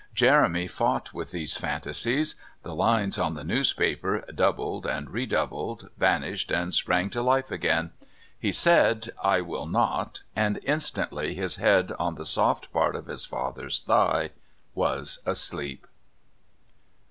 Jeremy fought with these fantasies; the lines on the newspaper doubled and redoubled, vanished and sprang to life again. He said: "I will not," and, instantly, his head on the soft part of his father's thigh, was asleep.